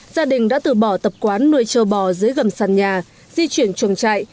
gia đình đã từ bỏ tập quán nuôi trâu bò dưới gầm sàn nhà di chuyển chuồng trại